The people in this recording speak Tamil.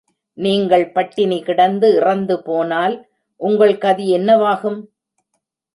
நீங்கள் பட்டினி கிடந்து இறந்து போனால், உங்கள் கதி என்னவாகும்?